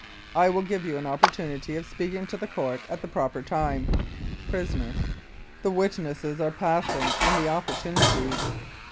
I will give you an opportunity of speak ing to the Court at the proper time. PRISONER: The witnesses are passing and the opportunities.